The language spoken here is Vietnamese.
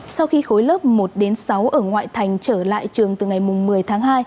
sau khi khối lớp một đến sáu ở ngoại thành trở lại trường từ ngày một mươi tháng hai